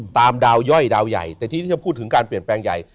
ตามดาวย่อยดาวใหญ่แต่ทีนี้ที่จะพูดถึงการเปลี่ยนแปลงใหญ่